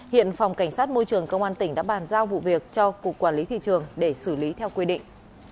hiện phòng cảnh sát môi trường công an tỉnh đã bàn giao vụ việc cho cục quản lý thị trường để xử lý theo quy định